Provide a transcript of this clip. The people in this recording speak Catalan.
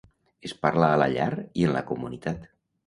Es parla a la llar i en la comunitat.